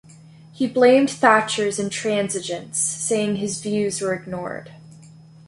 He blamed Thatcher's intransigence, saying his views were ignored.